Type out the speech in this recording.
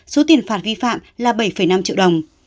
số tiền phạt vi phạm là bảy năm triệu đồng